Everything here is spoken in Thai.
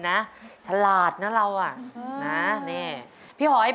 ไปดาวอังคารล้านลูก